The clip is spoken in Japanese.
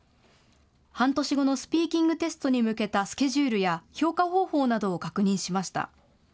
半年後のスピーキングテストに向けたスケジュールや評価方法などを確認しました。